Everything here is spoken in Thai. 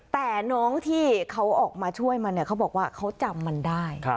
แต่น้องที่เขาออกมาช่วยมันเนี่ยเขาบอกว่าเขาจำมันได้